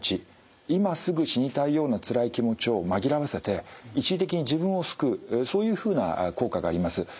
今すぐ死にたいようなつらい気持ちを紛らわせて一時的に自分を救うそういうふうな効果があります。